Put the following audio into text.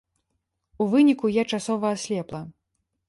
У выніку, я часова аслепла.